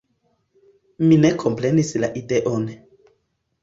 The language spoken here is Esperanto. Mi ne komprenis la ideon.